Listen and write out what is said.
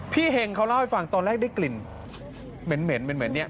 เฮงเขาเล่าให้ฟังตอนแรกได้กลิ่นเหม็นเนี่ย